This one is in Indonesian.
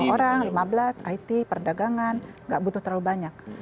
lima orang lima belas it perdagangan nggak butuh terlalu banyak